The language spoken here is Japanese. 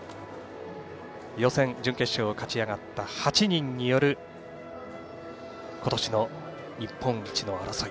予選、準決勝を勝ち上がった８人による今年の日本一の争い。